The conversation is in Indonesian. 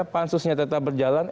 pansusnya tetap berjalan